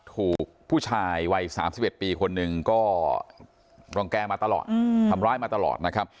ถูกผู้ชายวัย๓๑ปีคนหนึ่งก็รังแก่มาตลอดทำร้ายมาตลอดนะครับ